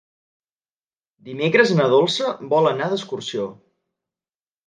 Dimecres na Dolça vol anar d'excursió.